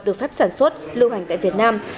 được phép sản xuất lưu hành tại việt nam